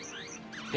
え？